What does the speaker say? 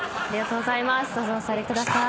どうぞお座りください。